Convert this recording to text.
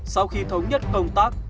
sau khi thống nhất công tác